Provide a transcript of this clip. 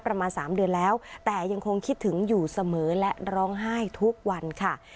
ประมาณ๓เดือนแล้วแต่ยังคงคิดถึงอยู่เสมอและร้องไห้ทุกวันค่ะ